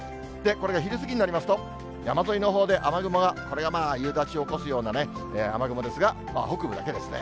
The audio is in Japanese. これが昼過ぎになりますと、山沿いのほうで雨雲が、これがまあ夕立を起こすような雨雲ですが、北部だけですね。